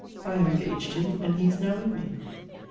I have engaged him, and he is now with me.